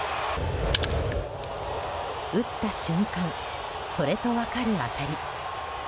打った瞬間それと分かる当たり。